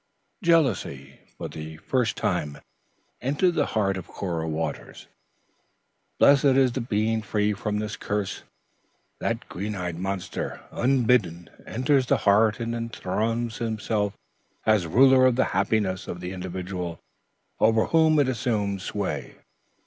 Jealousy, for the first time, entered the heart of Cora Waters. Blessed is the being free from this curse. The green eyed monster, unbidden, enters the heart and enthrones himself as ruler of the happiness of the individual over whom it assumes sway.